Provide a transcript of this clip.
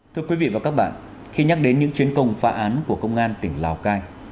thưa quý vị và các bạn khi nhắc đến những chiến công phá án của công an tỉnh lào cai